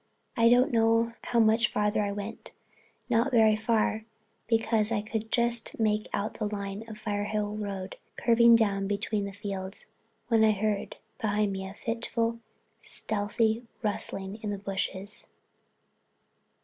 I don't know how much further I went, but not very far because I could just make out the line of the Firehill Road curving down between the fields, when I heard behind me a fitful, stealthy rustling in the bushes.